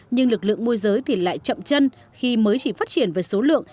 nhưng lực lượng môi giới thì lại chậm chân khi mới chỉ phát triển về số lượng